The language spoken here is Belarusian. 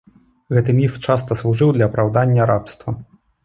Гэты міф часта служыў для апраўдання рабства.